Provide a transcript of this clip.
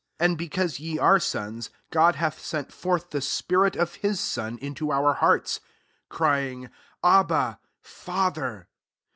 6 And because ye are sons, God hath sent forth the spirit of his Son into our hearts, cry ing, " Abba, Father."